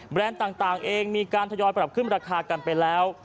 ต่างเองมีการทยอยปรับขึ้นราคากันไปแล้ว